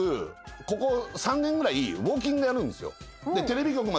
ここ３年ぐらいウォーキングやるんですよ